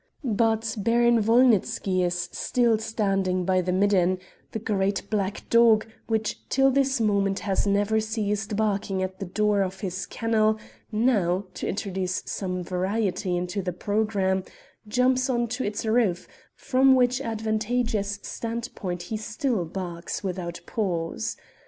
But Baron Wolnitzky is still standing by the midden; the great black dog, which till this moment has never ceased barking at the door of his kennel, now, to introduce some variety into the programme, jumps on to its roof, from which advantageous standpoint he still barks without pause.